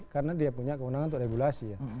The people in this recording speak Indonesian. karena dia punya kewenangan untuk regulasi